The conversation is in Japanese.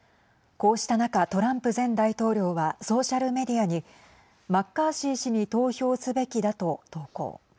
こうした中、トランプ前大統領はソーシャルメディアにマッカーシー氏に投票すべきだと投稿。